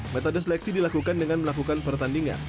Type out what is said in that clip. metode seleksi dilakukan dengan melakukan pertandingan